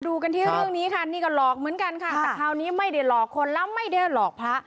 ดูกันที่เรื่องนี้ค่ะนี่ก็หลอกเหมือนกันค่ะแต่คราวนี้ไม่ได้หลอกคนแล้วไม่ได้หลอกพระ